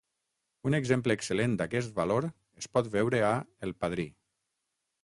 Un exemple excel·lent d'aquest valor es pot veure a El padrí.